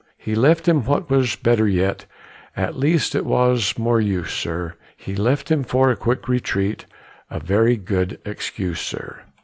He left him what was better yet, At least it was more use, sir, He left him for a quick retreat A very good excuse, sir.